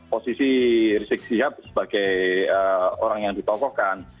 posisi riseg siap sebagai orang yang ditolokkan